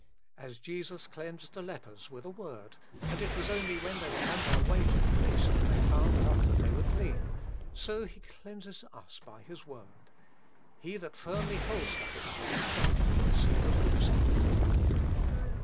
As Jesus cleansed the lepers with a word, and it was only when ii 162 THE FULL BLESSING OF PENTECOST they were on their way to the priest that they found out they were clean, so He cleanses us by His Word. He that firmly holds that fact in faith will see the proofs of it.